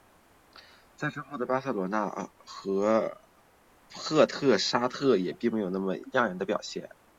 在之后的巴塞罗那和帕特沙赫也并没有什么亮眼的表现。